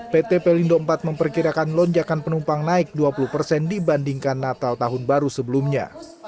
pt pelindo iv memperkirakan lonjakan penumpang naik dua puluh persen dibandingkan natal tahun baru sebelumnya